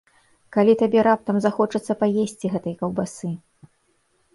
Калі табе раптам захочацца паесці гэтай каўбасы?